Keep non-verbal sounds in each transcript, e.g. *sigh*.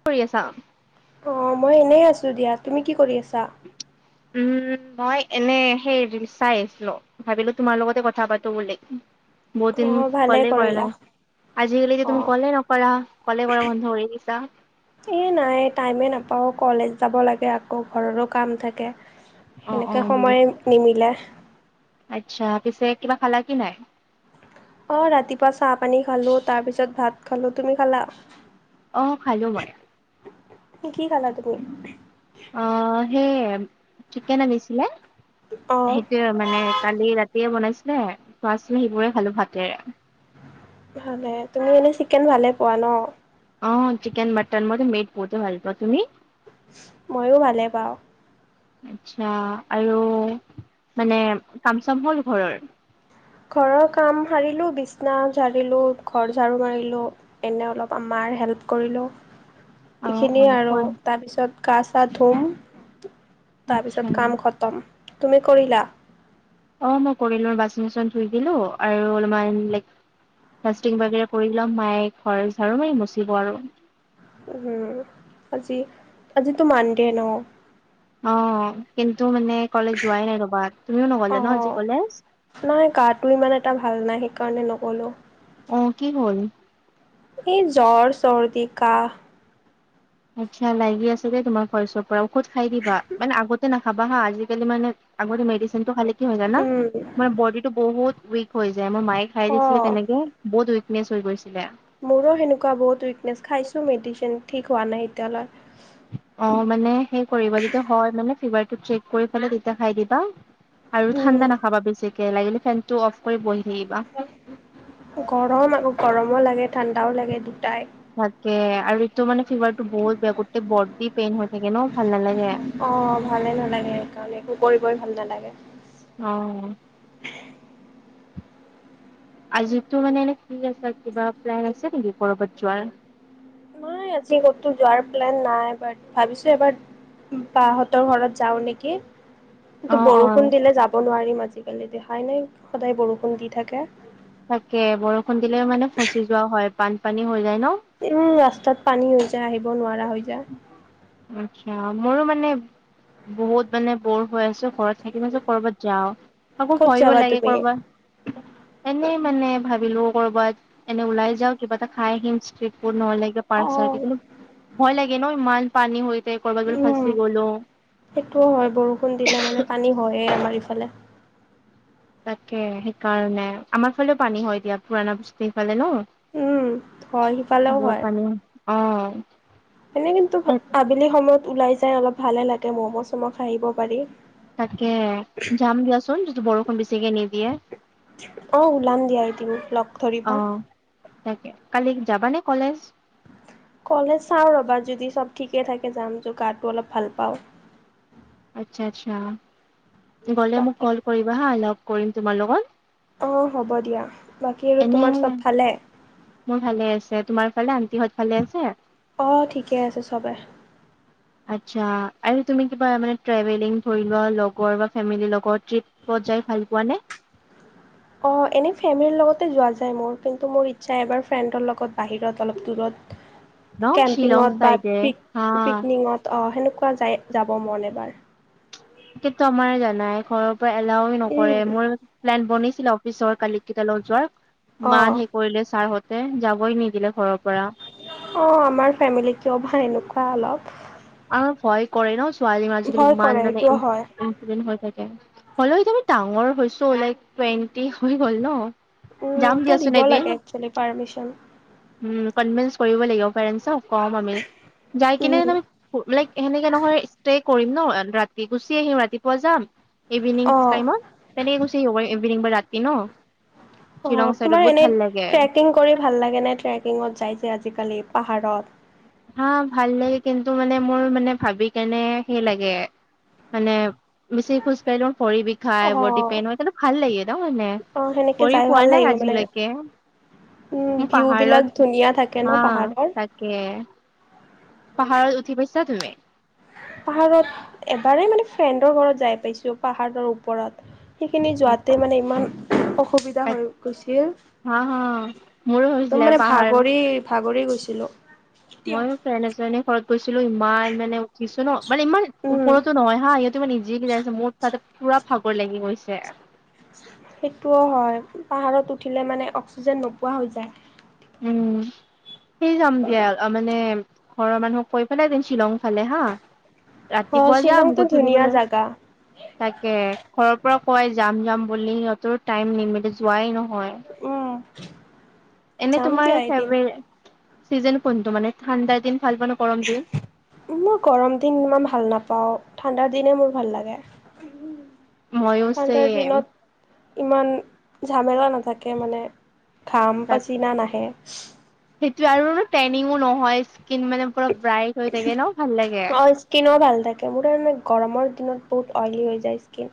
কি কৰি আছা? অ', মই এনেই আছোঁ দিয়া। তুমি কি কৰি আছা? উম, মই এনে সেই ৰিল চাই আছিলোঁ। ভাবিলোঁ তোমাৰ লগতে কথা পাতোঁ বুলি, বহুত দিন অঁ ভালেই ক'লে কৰা কৰিলা নাই। আজিকালি তুমি অঁ ক'লে নকৰা, ক'লে কৰা বন্ধ হৈয় দিছা। এই নাই টাইমেই নাপাওঁ কলেজ যাব লাগে আকৌ ঘৰৰো কাম থাকে। অ', সেনেকৈ অ', সময় বুজিছোঁ। নিমিলে আচ্ছা, পিছে কিবা খালা কি নাই? অ', ৰাতিপুৱা চাহ পানী খালোঁ, তাৰ পিছত ভাত খালোঁ, তুমি খালা? অ', খালোঁ মই। তুমি কি খালা তুমি? অ', সেই চিকেন আনিছিলেহ, অঁ সেইটো মানে কালি ৰাতিয়ে বনাইছিলে *unintelligible* সেইবোৰে খালোঁ ভাতেৰে। ভালে তুমি এনে চিকেন ভালে পোৱা ন? অ', চিকেন, মটন মই টো মিঠ বহুতে ভাল পাওঁ। তুমি? মইয়ো ভালে পাওঁ। আচ্ছা আৰু মানে কাম চাম হ'ল ঘৰৰ? ঘৰৰ কাম সাৰিলোঁ বিচনা ঝাৰিলোঁ ঘৰ ঝাৰু মাৰিলোঁ। এনেই অলপ আমাৰ হেল্প কৰিলোঁ। *inaudible* এইখিনি অ', আৰু হ'ল। তাৰ পিছত গা চা ধুম, আচ্ছা তাৰপিছত কাম খ তুমি কৰিলা? অ', মই কৰিলোঁ। বাচিং চচন ধুই দিলোঁ আৰু অলপমান লাইক মাচষ্টিং বাগেৰে কৰি ল'ম মায়ে ঘৰ ঝাৰু মাৰি মচিব আৰু। উম হুম। আজি, আজিতো মানডে ন? অ', কিন্তু মানে কলেজ যোৱাই নাই ৰবা। তুমিও অ নগলা ন আজি কলেজ? নাই গাটো ইমান এটা ভাল নাই সেইকাৰণে নগোলোঁ। অ', কি হ'ল? এই জ্বৰ, চৰ্দি, কাহ। আচ্ছা লাগি আছে দেই তোমাৰ ভইচৰ পৰা ঔষধ খাই দিবা, মানে আগতে নাখাবা হা আজিকালি মানে আগতে মেডচিন টো খালি কি হৈ জানা? উম মানে বডি টো বহুত উইক হৈ যায়, মোৰ মাইয়ে খাই অ দিছিলে তেনেকে। বহুত উইকনেছ হৈ গৈছিলে। মোৰো সেনেকুৱা বহুত উইকনেছ খাইছোঁ মেডিচিন, ঠিক হোৱা নাই এতিয়ালৈ। অ', মানে সেই কৰিবা যেতিয়া হয় মানে ফিভাৰ টো চেক কৰি ফালে তেতিয়া খাই দিবা। আৰু উম ঠাণ্ডা নাখাবা বেছিকে লাগিলে ফেন টো অফ কৰি বহি থাকিবা। গৰম আকৌ গৰমো লাগে, ঠাণ্ডাও লাগে দুটাই। তাকে আৰু এইটো মানে ফিভাৰতটো বহুত বেয়া গোটেই বডি পেইন হৈ থাকে ন ভাল নালাগে। অ', ভালে নালাগে সেইকাৰণে একো কৰিবই ভাল নালাগে। অ'। আজিটো মানে এনে ফ্ৰি আছা কিবা প্লেন আছে নেকি কৰ'বাত যোৱাৰ? নাই আজি ক'তো যোৱাৰ প্লেন নাই বাত ভাবিছোঁ এবাৰ বাহতৰ ঘৰত যাওঁ নেকি? অ কিন্তু অ বৰষুণ দিলে যাব নোৱাৰিম আজিকালি দেখাই নাই সদায় বৰষুণ দি থাকে? তাকেই, বৰষুণ দিলে মানে ফচি যোৱা হয় বান পানী হৈ যায় ন? উম, ৰাস্তাত পানী হৈ যায় আহিব নোৱাৰা হৈ যায়। আচ্ছাঁ মোৰো মানে বহুত মানে বৰ হৈ আছোঁ ঘৰত থাকি মই ভাবিছোঁ কৰবাত যাওঁ। আকৌ ক'ত ভয়ো যাবা লাগে তুমি? কৰবাত এনে মানে ভাবিলোঁ কৰবাত এনে ওলাই যাওঁ, কিবা এটা খাই আহিম ষ্ট্ৰ পৰ্ নহলে কিবা অ পাৰ্ক ছাৰ্ক কিন্তু ভয় লাগে ন ইমান পানী হৈ যায় ক'ৰবাত বোলে উম ফচি গ'লোঁ। সেইটোও হয় বৰষুণ দিলে মানে পানী হয়ে আমাৰ ইফালে। তাকে সেইকাৰণে আমাৰ ফালেও পানী হয় দিয়া পুৰণা বস্তিৰ সেইফালে ন? উম হয় সিফালেও হয়। বহুত পানী, অ'। এনে কিন্তু আবেলি সময়ত ওলাই যাই অলপ ভালে লাগে মম' চম' খাই আহিব পাৰি। তাকে জাম দিয়াচোন যিদি বৰষুণ বেছিকে নিদিয়ে। অ', ওলাম দিয়া এদিন, লগ অ ধৰিবা। তাকে, কালি যাবানে কলেজ? কলেজ চাওঁ ৰ'বা যদি চ'ব ঠিকে থাকে যাম, জ গাটো অলপ ভাল পাওঁ। আচ্ছা-আচ্ছা। গ'লে মোক বাকী ক'ল কৰিবা হা লগ কৰিম তোমাৰ লগত? অ', হ'ব দিয়া। বাকী আৰু এনে তোমাৰ চ'ব ভালে? মোৰ ভালে আছে, তোমাৰ ফালে আন্টিহঁত ভালে আছে? অ', ঠিকে আছে চবে। আচ্ছা, আৰু তুমি কিবা মানে ট্ৰেভেলিং ধৰি লোৱা লগৰ বা ফেমিলি লগত ট্ৰিপ পত যায় ভাল পোৱা নে? অ', এনেই ফেমিলিৰ লগতে যোৱা যায় মোৰ, কিন্তু মোৰ ইচ্ছা এবাৰ ফ্ৰেণ্ডৰ লগত বাহিৰত অলপ দূৰত ন শ্বিলং কেম্পিঙত বা চাইডে, পিক হা। পিকনিকত অ', সেনেকুৱা যায় যাব মন এবাৰ। *unintelligible* আমাৰ জানাই ঘৰৰ পৰা এলাও নকৰে, উম। মোৰ প্লেন বনিছিলে অফিচৰ কালিগ কেইটালগত যোৱাৰ। অ', ইমান সেই কৰিলে ছাৰত তে যাবই নিদিলে ঘৰৰ পৰা। অ', আমাৰ ফেমিলি কিয় ভাই এনেকুৱা অলপ। আৰু ভয় কৰে ন ছোৱালী আজিকালি ভয় কৰে ইমান মানে এইটোও হয়। উম-উম *unintelligible* হৈ থাকে, হ'লেও এতিয়া মই ডাঙৰ হৈছো, লাইক টুৱেণ্টি হৈ গ'ল ন। উম, যাম টো দিয়াচোন দিব এদিন লাগে একচোৱেলি পাৰ্মিচন। উম, কনভিনন্স কৰিব লাগিব পেৰেন্টচক ক'ম আমি, যায় কিনে উম, লাইক সেনেকে নহয় ষ্টে কৰিম ন, ৰাতি গুচি আহিম ৰাতিপুৱা যাম। ইভিনিং অ', টাইমত, তেনেকে গুচি আহিব পাৰি ইভিনিং বা ৰাতি ন। শ্বিলং অ', চাইডত তোমাৰ বহুত ভাল এনেই লাগে ট্ৰেকিং কৰি ভাল লাগে নে, ট্ৰেকিঙত যায় যে আজিকালি পাহাৰত। হা ভাল লাগে, কিন্তু মানে মোৰ মানে ভাবি কেনে সেই লাগে। মানে বেছি খুজ কাঢ়িলে মোৰ ভৰি বিষ খাই বডি অ', পেইন হয়, কিন্তু ভাল লাগে ন মানে, অ', সেনেকে কৰি যাই ভাল পোৱা নাই লাগিব মানে আজিলৈকে। উম এই ভিউ বিলাক পাহাৰত, ধুনীয়া থাকে ন হা পাহাৰৰ তাকে। পাহাৰত উঠি পাইছা তুমি। পাহাৰত এবাৰেই মানে ফ্ৰেণ্ডৰ ঘৰত যায় পাইছো পাহাৰৰ ওপৰত। সেইখিনি যোৱাতে মানে ইমান অসুবি বিধা হৈ গৈছিল, হা হা মোৰো হৈছিলে তেতিয়া মানে পাহাৰ ভাগৰি- ভাগৰি গৈছিলো। মইও ফ্ৰেণ্ড এজনিৰ ঘৰত গৈছিলো, ইমান মানে উঠিছোঁ ন, মানে ইমান উম ওপৰতো নহয় হা, ইহঁতে ইমান নিজে *unintelligible* আছে মোৰ তাতে পোৰা ভাগৰ লাগি গৈছে। সেইটোও হয়, পাহাৰত উঠিলে মানে অক্সিজেন নোপোৱা হৈ যায়। উম। সেই যাম দিয়া, অ মানে ঘৰৰ মানুহক কৈ পেলাই ডেন শ্বিলং ফালে হা। অ ৰাতিপুৱা যাম শ্বিলংতো গধূলি ধুনীয়া মানে জাগা তাকে, ঘৰৰ পৰা কয় যাম- যাম বুলি, সিহঁতৰো টাইম নিমিলে যোৱাই নহয়। উম। এনে যাম তোমাৰ দিয়া এদিন *unintelligible* চিজন কোনটো মানে ঠাণ্ডা দিন ভাল পোৱা নে গৰম দিন। মই গৰম দিন ইমান ভাল নাপাওঁ, ঠাণ্ডাৰ দিনে মোৰ ভাল লাগে। মইয়ো ঠাণ্ডাৰ চেম দিনত ইমান ঝামেলা নাথাকে মানে। ঘাম পাচিনা নাহে। সেইটো আৰু টেনিংও নহয় স্কিন মানে পুৰা ব্ৰাইট হৈ থাকে ন ভাল লাগে। স্কীনো ভাল থাকে, মোৰ তাৰমানে গৰমৰ দিনত বহুত অইলী হৈ যায় স্কীন।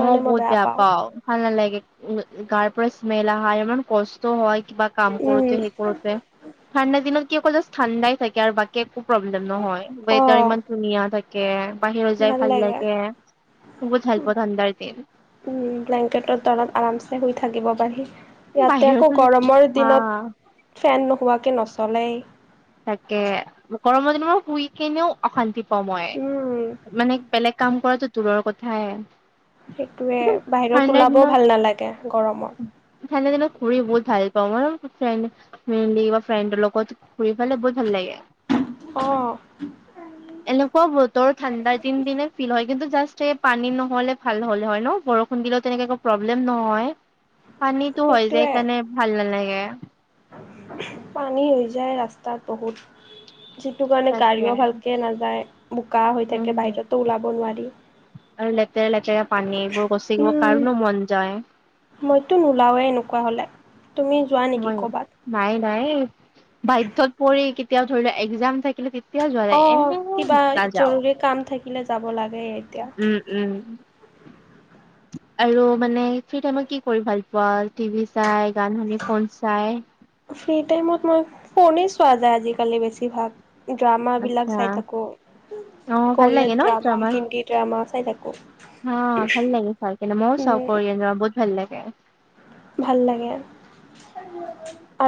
মই বহুত বেয়া পাওঁ। ভাল নালাগে, উম, গাৰ পৰা স্মেল আহা ইমান কষ্ট হয় কিবা কাম উম, কৰোতে সেই কৰোতে, ঠাণ্ডা দিনত কি অকল জাষ্ট ঠাণ্ডাই থাকে আৰু বাকী একো প্ৰব্লেম নহয়, ৱেডাৰ অ' ইমান ধুনীয়া থাক কে বাহিৰত যায় ভাল লাগে, বহুত ভাল পাওঁ ঠাণ্ডাৰ দিন। উম, ব্লেংকেটৰ তলত আৰামছে শুই থাকিব পাৰি। ইয়াতে আকৌ বাহিৰতো গৰমৰ হা দিনত ফেন নোহোৱাকে নচলেই। তাকে, গৰমৰ দিনত শুই কেনেও অশান্তি পাওঁ মই, উম, মানে বেলেগ কাম কৰাটো দূৰৰ কথাই। সেইটোৱে, কিন্তু বাহিৰত ঠাণ্ডাৰ ওলাবও দিনত ভাল নালাগে গৰমত। ঠাণ্ডা দিনত ঘুৰি বহুত ভাল পাওঁ, মইও ফ্ৰেণ্ড ফেমিলি বা ফ্ৰেণ্ডৰ লগত ঘুৰি পেলাই বহুত ভাল লাগে। অ'। এনেকুৱা বতৰত ঠাণ্ডাৰ দিন দিনে ফিল হয় কিন্তু জাষ্ট এই পানী নহলে ভাল হ'লে হয় ন বৰষ খুন্দিলেও তেনেকে একো প্ৰব্লেম নহয় পানীটো হয় যায় সেইটোৱে সেইকাৰণে ভাল নালাগে। পানী হৈ যায় ৰাস্তাত বহুত। যিটো কাৰণে তাকে গাড়ীও ভালকে নাযায় বোকা হৈ থাকে উম, বাহিৰতো ওলাব নোৱাৰি। আৰু লেতেৰা-লেতেৰা পানী, এইবোৰ গচিকিব উম, কাৰনো মন যায়? মইতো নোলাওৱে এনেকুৱা হ'লে। তুমি যোৱা নেকি মইও। ক'বাত? নাই-নাই বাধ্যত পৰি কেতিয়া ধৰি লোৱা এক্সাম থাকিলে তেতি অ', কিবা জৰুৰী কাম থাকিলে যাব লাগে। এতিয়া। উম-উম। আৰু মানে ফ্ৰী টাইমত কি কৰি ভাল ৱাল টিভি চাই গান শুনি ফোন চাই ফ্ৰী টাইমত মই ফোনেই চোৱা যায় আজিকালি বেছিভাগ। ড্ৰামা বিলাক আচ্ছা চাই থাকোঁ, অ' ভাল লাগে কোৰিয়ান ন ড্ৰামা হিন্দীত ড্ৰামা চাই থাকোঁ। হা, ভাল লাগে চাই কিনে ময়ো চাওঁ উম, কৰিয়েন বহুত ভাল লাগে। ভাল লাগে।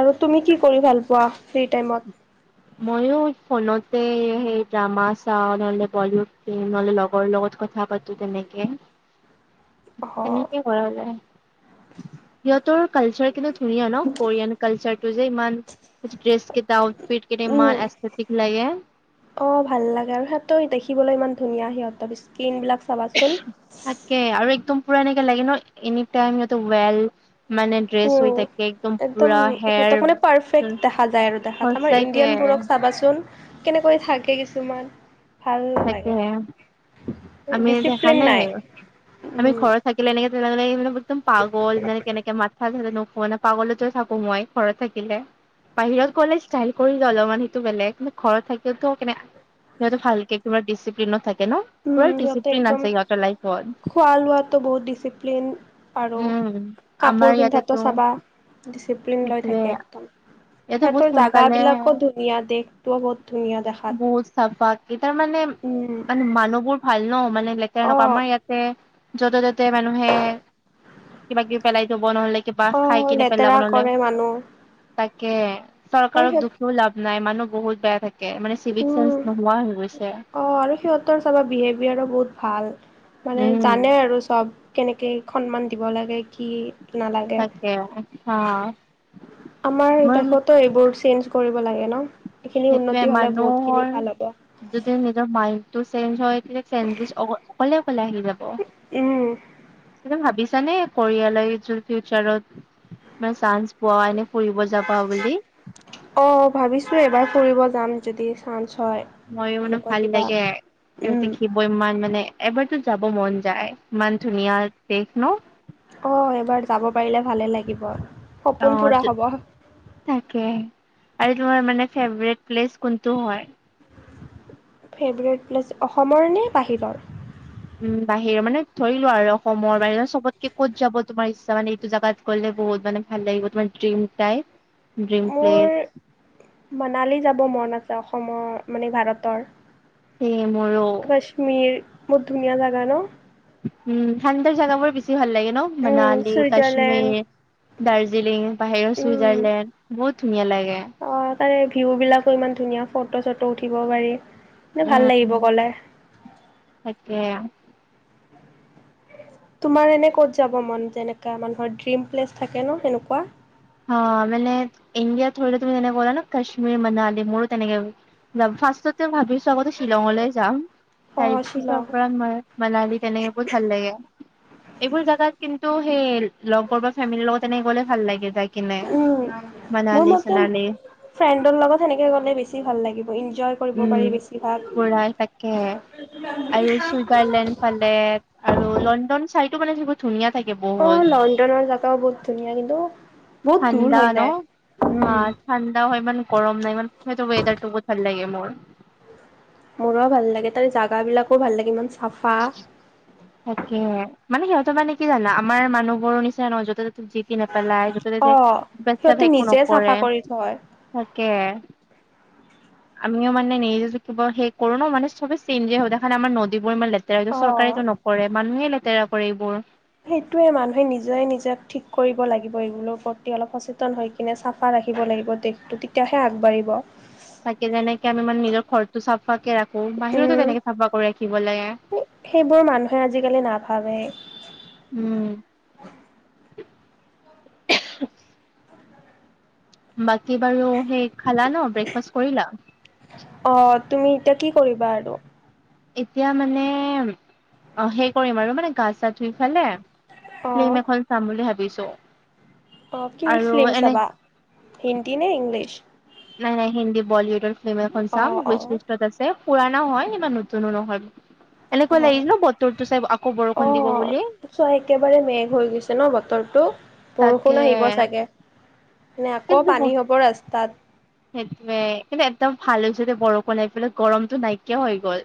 আৰু তুমি কি কৰি ভাল পোৱা ফ্ৰী টাইমত? মইও ফোনতে সেই ড্ৰামা চাওঁ নহলে বলিউড ফিল্ম নহলে লগৰ লগত কথা পাতোঁ তেনেকে। অ', তেনেকে কৰা যায়। সিহঁতৰো কালচাৰ কিন্তু ধুনীয়া ন কোৰিয়ান কালচাৰটো যে ইমান, ড্ৰেছ কেইটা আউটফিট হেটি ইমান উম। এস্থেটিক লাগে। অ', ভাল লাগে আৰু সিহঁত দেখিবলৈ ইমান ধুনীয়া সিহঁতৰ স্কিন বিলাক চাবাচোন। তাকে আৰু একদম পুৰা এনেক লাগে ন এনিটাইম সিহঁতক ৱেল মানে ড্ৰেছ হৈ উম, থাকে একদম পুৰা হেয়াৰ সিহঁতক মানে পাৰফেক্ট দেখা যায় আৰু দেখাত, আমাৰ সঁচাকে ইণ্ডিয়ান বোৰক চাবাচোন, কেনেকৈ থাকে কিছুমান। ভাল তাকে লাগে হে, আমি দেখা নাই? আমি উম, ঘৰত থাকিলে এনেকে তেনেকা লগে একদম পাগল যেনে কেনেকে মাথা *unintelligible* পাগলতো থাকোঁ মই ঘৰত থাকিলে। বাহিৰত গ'লে ষ্টাইল কৰিলওঁ অলপমান সেইটো বেলেগ কিন্তু ঘৰত থাকিল টো কেনে সিহঁত ভালকে তোমাৰ দিছিপ্লিনত থাকে ন? উম, পুৰা সিহঁতে ডিচিপ্লিন একদম আছে সিহঁতৰ লাইফত খোৱা লোৱাটো বহুত ডিচিপ্লিন আৰু উম আমাৰ কাপোৰ ইয়াতেতো পিন্ধাতো চাবা ডিচিপ্লিন লৈ সেইটোয়ে থাকে একদম। ইয়াতে বহুত সিহঁতৰ জাগাহ সোনকালে বিলাকো ধুনীয়া দেশতটোও বহুত ধুনীয়া দেখাত। চাফা তাৰ উম, মানে-মানে মানুহবোৰ ভাল ন মানে লেতেৰা নকৰে অ'। আমাৰ ইয়াত তে য'তে ত'তে মানুহে কিবা কিবি পেলাই থব নহলে কিবা খাই অ' কিনে পেলাব লেতেৰা নহলে। কৰে মানুহ তাকে, আৰু চৰকাৰক সিহঁত দুখীও লাভ নাই মানুহ বহুত বেয়া থাকে। কেই মানে চিভিক চেন্স উম, নোহোৱা হৈ গৈছে। অ', আৰু সিহঁতৰ চাবা বিহেভিয়াৰো বহুত ভাল মানে উম। জানে আৰু চব। কেনেকৈ সন্মান দিব লাগে কি নালাগে। সেয়াই হা। আমাৰ মই দেশতো এইবোৰ চেঞ্জ কৰিব লাগে ন? এইখিনি সেইটোৱে উন্নতি হলে মানুহৰ বহুতখিনি ভাল হ'ব। যদি নিজৰ মাইণ্ডটো চেঞ্জ হয় তেতিয়া চেঞ্জেছ অ-অকলে-অকলে আহি যাব। উম, *unintelligible* ভাবিছানে কৰিয়ালৈ যোৱা ফিউচাৰত? মানে চান্স পোৱা এনে ফুৰিব যাবা বুলি? অ', ভাবিছোঁ এইবাৰ ফুৰিব যাম যদি চান্স হয়। মইয়ো মানে এনেকুৱা ভাল কিবা লাগে, সিহঁত উম, দেখি ব ইমান মানে, এবাৰতো যাব মন যায়, ইমান ধুনীয়া দেশ ন। অ', এবাৰ যাব পাৰিলে ভালে লাগিব। সপোন অ', পূৰা ত হ'ব তাকে, আৰু তোমাৰ মানে ফেভৰেট প্লেচ কোনটো হয়। ফেভৰেট প্লেছ, অসমৰ নে বাহিৰৰ। উম, বাহিৰৰ মানে ধৰিলোৱা আৰু অসমৰ বাহিৰত চবতকে ক'ত যাব তোমাৰ ইচ্ছা মানে টো জাগাত গ'লে বহুত মানে ভাল লাগিব তোমাৰ ড্ৰিম টাই, ড্ৰিম প্লেছ। মোৰ মানালী যাব মন আছে, অসমৰ মানে ভাৰতৰ। সেয়ে মোৰো। কশ্মীৰ, বহুত ধুনীয়া জাগা ন। উম, ঠাণ্ডা জেগাবোৰ বেছি ভাল লাগে ন। উম মনালি, চুইজাৰলেণ্ড কাশ্মীৰ, দাৰ্জিলিং বাহিৰৰ উম। চুইজাৰলেণ্ড। বহুত ধুনীয়া লাগে। অ', তাৰে ভিউবিলাকো ইমান ধুনীয়া, ফটো চটো উঠিব পাৰি, মানে উম ভাল লাগিব উম গ'লে। তাকে আও। তোমাৰ এনে ক'ত যাব মন, যেনেকা মানুহৰ ড্ৰিম প্লেচ থাকে ন সেনেকুৱা। অ', মানে ইণ্ডিয়াত ধৰি লোৱা তুমি যেনেকে ক'লা ন, কাশ্মীৰ মনালী, মোৰো তেনেকে যাম, ফাৰ্ষ্টতে ভাবিছো আগতে শ্বিলঙলৈ যাম, তাৰ অ' শ্বিলং পিছৰ পৰা মই মনালী তেনেকে বহুত ভাল লাগে। এইবোৰ জাগাত কিন্তু সেই লগৰ বা ফেমিলিৰ লগত তেনেকে গ'লে ভাল লাগে যায় কিনে, উম মোৰ মানালি মতে চানালি। ফ্ৰেণ্ডৰ লগত সেনেকে গ'লে বেছি ভাল লাগিব, ইঞ্জয় কৰিব উম, পাৰি বেছিভাগ। পুৰা তাকে। আৰু চুইজাৰলেণ্ড ফালে আৰু লণ্ডন চাইটো মানে সেইবোৰ ধুনীয়া থাকে বহুত। *unintelligible* জাগাও বহুত ধুনীয়া কিন্তু বহুত দূৰ ঠাণ্ডা হৈ ন? যায়, হা উম। ঠাণ্ডাও হয় ইমান গৰম নাই ইমান, সেইটো ৱেডাৰটো বহুত ভাল লাগে মোৰ। মোৰো ভাল লাগে তাৰে জাগাবিলাকো ভাল লাগে, ইমান চাফা। *inaudible* তাকে, মানে সিহঁতে মানে কি জানা আমাৰ মানুহবোৰৰ নিচিনা নহয়, য'তে ত'তে যি *unintelligible* নেপেলাই, য'তে অ'। সিহঁতে ত'তে *unintelligible* একো নিজে চাফা নকৰে, কৰি থয়। তাকে। আমিও মানে *unintelligible* সেই কৰো ন, মানে চবেই চেঞ্জে হয় দেখা নাই আমাৰ ন দিবোৰ ইমান লেতেৰা, এইটো অ'। চৰকাৰেটো নকৰে, মানুহে লেতেৰা কৰে এইবোৰ। সেইটোয়ে, মানুহে নিজে নিজক ঠিক কৰিব লাগিব এইবোৰৰ প্ৰতি অলপ সচেতন হৈ কিনে চাফা ৰাখিব লাগিব দেশটো, তেতিয়াহে আগবাঢ়িব। তাকে যেনেকে আমি মানে নিজৰ ঘৰটো চাফাকে ৰাখো, বাহিৰতো তেনেকে চাফা কৰি ৰাখিব লাগে। এই সেইবোৰ মানুহে আজিকালি নাভাবে। উম। বাকী বাৰু সেই খালা ন, ব্ৰেকফাষ্ট কৰিলা। অ', তুমি এতিয়া কি কৰিবা আৰু। এতিয়া মানে অ', সেই কৰিম আৰু মানে গা চা ধুই ফালে ফিল্ম অ', এখন চাম বুলি ভাবিছোঁ। অ', কি ফিল্ম চাবা, হিন্দী নে ইংলিছ। নাই-নাই, হিন্দী বলীউডৰ ফিল্ম এখন চাম অ', উইচ অ', লিষ্টত আছে পুৰাণা হয় ইমান নতুনো নহয়। এনেকুৱা লাগিল অ'। ন বতৰটো চাই আকৌ বৰষুণ দিব অ', বুলি। চোৱা একেবাৰে মেঘ হৈ গৈছে ন বতৰটো। তাকে বৰষুণ আহিব চাগে। নে আকৌ কিন্তু পানী হ'ব ৰাস্তাত। সেইটোৱে, কিন্তু একদম ভাল হৈছে দেই বৰষুণ আহি পেলাই গৰমটো নাইকিয়া হৈ গ'ল।